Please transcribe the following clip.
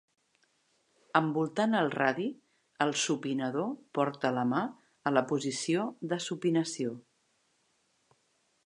Envoltant el radi, el supinador porta la mà a la posició de supinació.